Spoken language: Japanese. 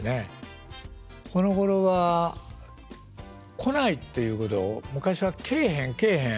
このごろは「来ない」っていうことを昔は「来えへん来えへん」。